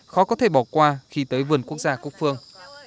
khó có thể bỏ qua khi tới vườn quốc gia cúc phương